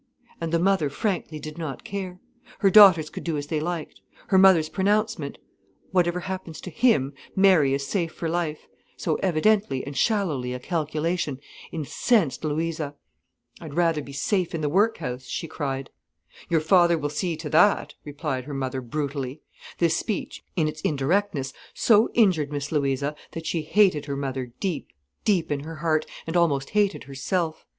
And the mother frankly did not care: her daughters could do as they liked. Her mother's pronouncement: "Whatever happens to him, Mary is safe for life,"—so evidently and shallowly a calculation, incensed Louisa. "I'd rather be safe in the workhouse," she cried. "Your father will see to that," replied her mother brutally. This speech, in its indirectness, so injured Miss Louisa that she hated her mother deep, deep in her heart, and almost hated herself.